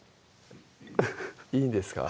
いいんですか？